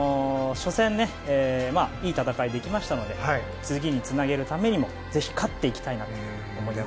初戦、いい戦いができましたので次につなげつためにもぜひ勝っていきたいなと思います。